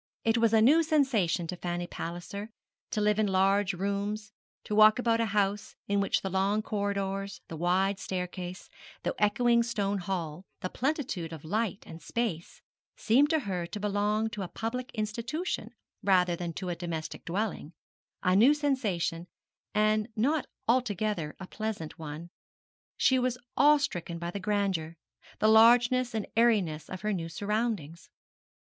It was a new sensation to Fanny Palliser to live in large rooms, to walk about a house in which the long corridors, the wide staircase, the echoing stone hall, the plenitude of light and space, seemed to her to belong to a public institution rather than to a domestic dwelling a new sensation, and not altogether a pleasant one. She was awe stricken by the grandeur the largeness and airiness of her new surroundings.